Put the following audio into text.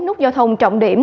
bốn nút giao thông trọng điểm